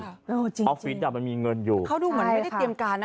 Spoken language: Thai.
เอาจริงออฟฟิศอ่ะมันมีเงินอยู่เขาดูเหมือนไม่ได้เตรียมการนะ